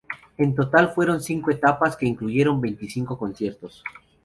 En total fueron cinco etapas que incluyeron veinticinco conciertos.